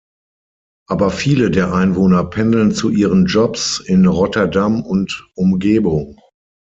Aber viele der Einwohner pendeln zu ihren Jobs in Rotterdam und Umgebung.